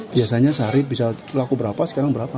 biasanya sehari bisa laku berapa sekarang berapa